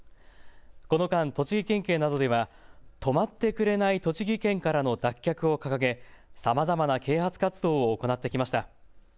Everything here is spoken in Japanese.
この間、栃木県警などでは止まってくれない栃木県からの脱却を掲げさまざまな啓発活動を行ってきました。